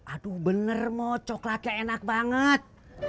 aduh bener mau coklatnya enak banget